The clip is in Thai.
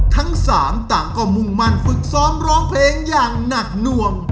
ทั้งสามต่างก็มุ่งมั่นฝึกซ้อมร้องเพลงอย่างหนักหน่วง